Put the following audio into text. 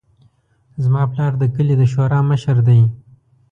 زما پلار د کلي د شورا مشر ده